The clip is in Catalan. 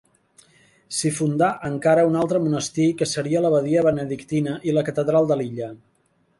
S'hi fundà encara un altre monestir que seria l'abadia benedictina i la catedral de l'illa.